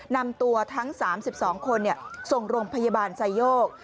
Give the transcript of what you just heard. นำตัวทั้ง๓๒คนส่งโรงพยาบาลไซโยก